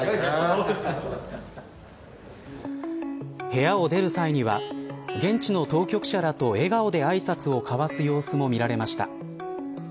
部屋を出る際には現地の当局者らと笑顔であいさつを交わす様子も見られました。